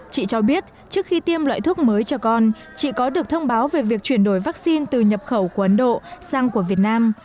chị cho biết trước khi tiêm loại thuốc mới cho con chị có được thông báo về việc chuyển đổi vaccine từ nhập khẩu của ấn độ sang của việt nam